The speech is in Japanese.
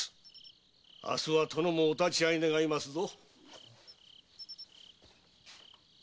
明日は殿もお立ち会い願いますぞ。